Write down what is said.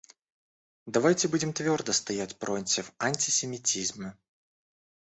Давайте будем твердо стоять против антисемитизма.